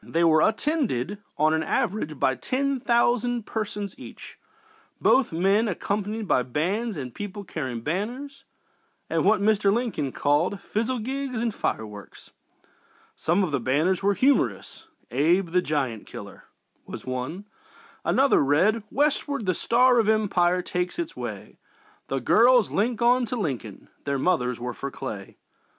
They were attended, on an average, by ten thousand persons each, both men being accompanied by bands and people carrying banners and what Mr. Lincoln called "fizzlegigs and fireworks." Some of the banners were humorous. ||| Abe the Giant Killer ||| was one. Another read: ||| Westward the Star of Empire takes its way; | |The girls link on to Lincoln, their mothers were for Clay.